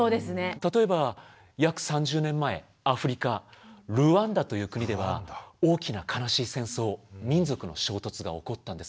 例えば約３０年前アフリカルワンダという国では大きな悲しい戦争民族の衝突が起こったんです。